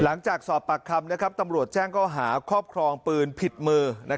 หลังจากสอบปากคำตำรวจแจ้งข้อหาครอบครองปืนผิดมือ